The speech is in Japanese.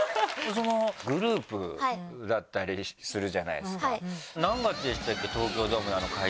グループだったりするじゃないですか。